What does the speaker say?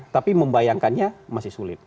tapi membayangkannya masih sulit